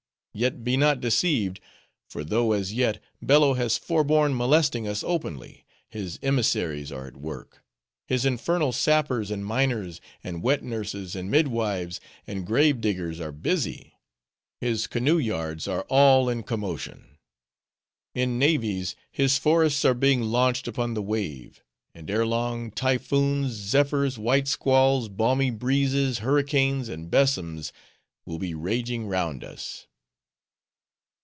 Yet be not deceived; for though as yet, Bello has forborn molesting us openly, his emissaries are at work; his infernal sappers, and miners, and wet nurses, and midwives, and grave diggers are busy! His canoe yards are all in commotion! In navies his forests are being launched upon the wave; and ere long typhoons, zephyrs, white squalls, balmy breezes, hurricanes, and besoms will be raging round us!"